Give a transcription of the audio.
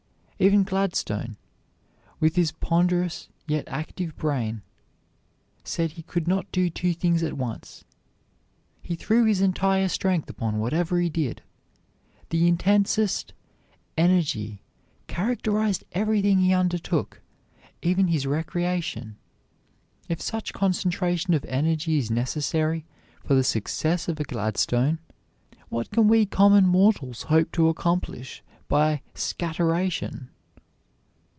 Even Gladstone, with his ponderous yet active brain, said he could not do two things at once; he threw his entire strength upon whatever he did. The intensest energy characterized everything he undertook, even his recreation. If such concentration of energy is necessary for the success of a Gladstone, what can we common mortals hope to accomplish by "scatteration"?